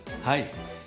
はい。